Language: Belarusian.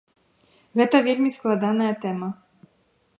Гэта вельмі складаная тэма.